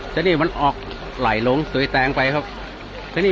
เส้นนี้มันออกไหลลงตัวไอ้แตงไปครับเส้นนี้